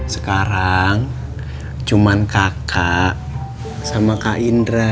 sekarang cuma kakak sama kak indra